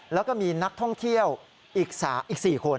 แล้วก็มีนักท่องเที่ยวอีกสามอีกสี่คน